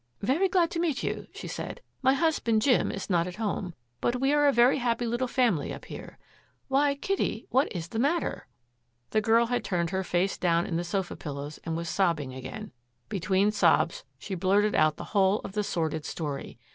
"Very glad to meet you," she said. "My husband, Jim, is not at home, but we are a very happy little family up here. Why, Kitty, what is the matter?" The girl had turned her face down in the sofa pillows and was sobbing again. Between sobs she blurted out the whole of the sordid story.